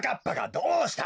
どうした？